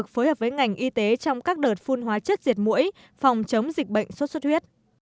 phòng chống dịch bệnh sốt xuất huyết